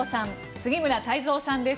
杉村太蔵さんです。